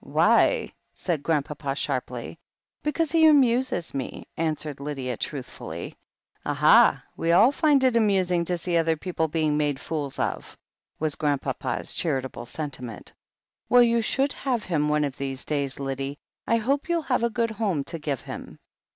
"Why?" said Grandpapa sharply. "Because he amuses me," answered Lydia truthfully. "Ah ha! we all find it amusing to see other people being made fools of !" was Grandpapa's charitable sen timent. "Well, you shall have him one of these days, Lyddie. I hope you'll have a good home to give him.